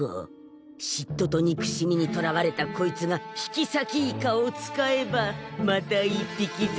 しっととにくしみにとらわれたこいつが引きさきイカを使えばまた一匹銭